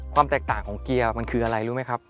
ความแตกต่างของเกียร์มันคืออะไรรู้ไหมครับ